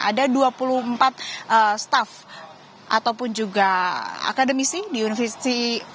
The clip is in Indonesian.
ada dua puluh empat staff ataupun juga akademisi di universitas